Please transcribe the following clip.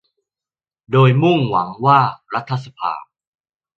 โดยมุ่งหวังว่ารัฐสภา